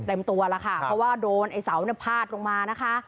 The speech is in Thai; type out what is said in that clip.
เต็มตัวแล้วค่ะเพราะว่าโดนไอ้สาวพาดลงมานะคะ